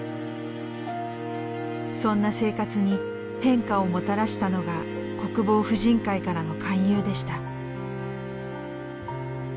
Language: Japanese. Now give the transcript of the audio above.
そんな生活に変化をもたらしたのが国防婦人会からの勧誘でした。